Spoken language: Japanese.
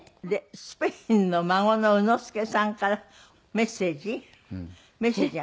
スペインの孫の宇之介さんからメッセージ？